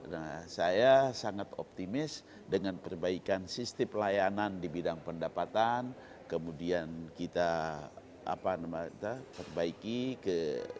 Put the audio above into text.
nah saya sangat optimis dengan perbaikan sistem pelayanan di bidang pendapatan kemudian kita perbaiki ke